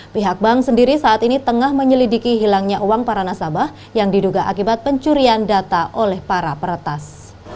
pihak bank sendiri saat ini tengah menyelidiki hilangnya uang para nasabah yang diduga akibat pencurian data oleh para peretas